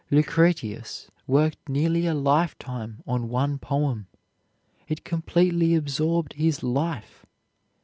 Lucretius worked nearly a lifetime on one poem. It completely absorbed his life.